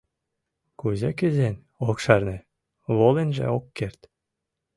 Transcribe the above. Кузе кӱзен — ок шарне, воленже — ок керт.